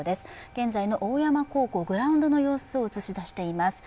現在の大山高校、グラウンドの様子を映し出しています。